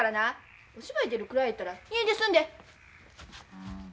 お芝居出るくらいやったら家出すんで。